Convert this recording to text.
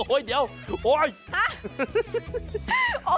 โอ้ยเดี๋ยวโอ้ยฮะ